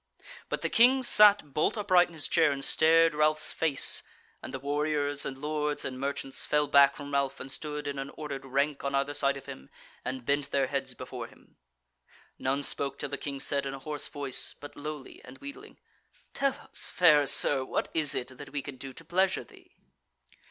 But the King sat bolt upright in his chair and stared Ralph's face; and the warriors and lords and merchants fell back from Ralph and stood in an ordered rank on either side of him and bent their heads before him. None spoke till the King said in a hoarse voice, but lowly and wheedling: "Tell us, fair Sir, what is it that we can do to pleasure thee?"